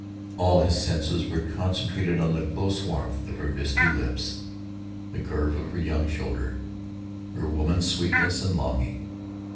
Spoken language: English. All his senses were concentrated on the close warmth of her misty lips, the curve of her young shoulder, her woman sweetness and longing.